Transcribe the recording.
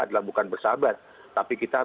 adalah bukan bersahabat tapi kita